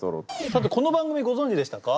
さてこの番組ご存じでしたか？